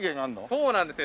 そうなんですよ。